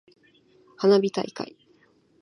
花火大会。